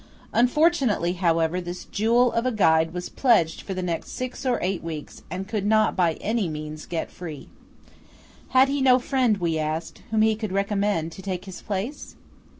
Unfortunately, however, this jewel of a guide was pledged for the next six or eight weeks and could not by any means get free. Had he no friend, we asked, whom he could recommend to take his place?